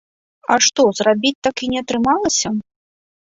А што зрабіць так і не атрымалася?